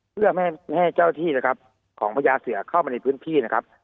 เพื่อไม่ให้เจ้าที่นะครับของพญาเสือเข้ามาในพื้นที่นะครับ